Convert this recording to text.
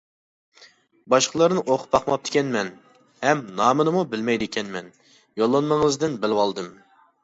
باشقىلارنى ئوقۇپ باقماپتىكەنمەن ھەم نامىنىمۇ بىلمەيدىكەنمەن، يوللانمىڭىزدىن بىلىۋالدىم.